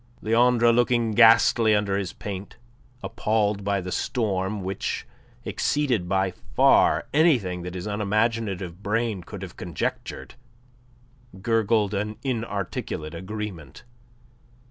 Leandre, looking ghastly under his paint, appalled by the storm which exceeded by far anything that his unimaginative brain could have conjectured, gurgled an inarticulate agreement.